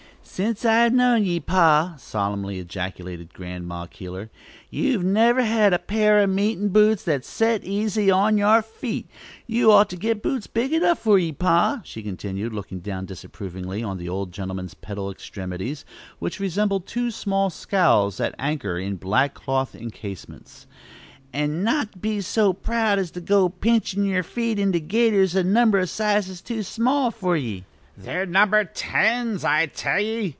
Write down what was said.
"Since I've known ye, pa," solemnly ejaculated Grandma Keeler, "you've never had a pair o' meetin' boots that set easy on yer feet. You'd ought to get boots big enough for ye, pa," she continued, looking down disapprovingly on the old gentleman's pedal extremities, which resembled two small scows at anchor in black cloth encasements: "and not be so proud as to go to pinchin' yer feet into gaiters a number o' sizes too small for ye." "They're number tens, I tell ye!"